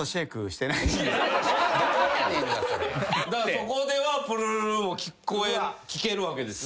そこでは「プルルル」を聴けるわけですね。